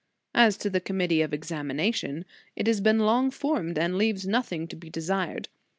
As to the commitee of examination, it has been long formed, and leaves nothing to be desired.